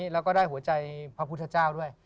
แล้วก็ได้หัวใจพระพุทธเจ้าด้วย